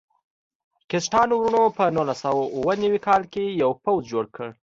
کسټانو وروڼو په نولس سوه اوه نوي کال کې یو پوځ جوړ کړ.